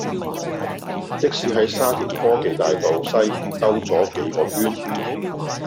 的士喺沙田科技大道西兜左幾個圈